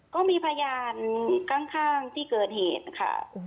ก็มีพยานข้างที่เกิดเหตุค่ะ